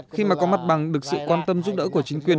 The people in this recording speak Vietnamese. khi mà có mặt bằng được sự quan tâm giúp đỡ của chính quyền